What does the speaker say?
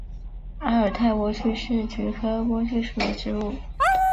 阿尔泰莴苣是菊科莴苣属的植物。